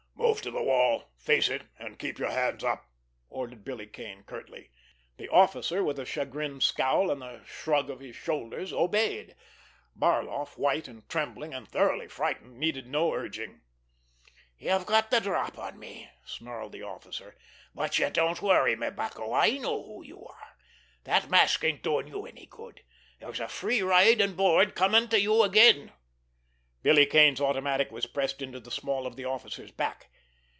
"Move to the wall, face it, and keep your hands up!" ordered Billy Kane curtly. The officer, with a chagrined scowl and a shrug of his shoulders, obeyed. Barloff, white and trembling, and thoroughly frightened, needed no urging. "You've got the drop on me," snarled the officer. "But don't worry, my bucko, I know who you are! That mask ain't doing you any good! There's a free ride and board coming to you again!" Billy Kane's automatic was pressed into the small of the officer's back.